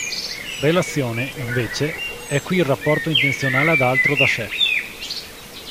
Relazione, invece, è qui il rapporto intenzionale ad altro da sé.